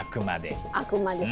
あくまで。